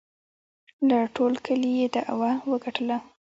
له ټول کلي یې دعوه وگټله